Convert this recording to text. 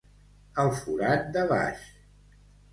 El forat de baix.